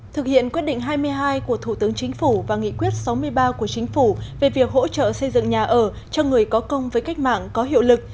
thực hiện quyết định hai mươi hai của thủ tướng chính phủ và nghị quyết sáu mươi ba của chính phủ về việc hỗ trợ xây dựng nhà ở cho người có công với cách mạng có hiệu lực